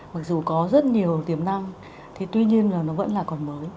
mặc dù có rất nhiều tiềm năng thì tuy nhiên là nó vẫn là còn mới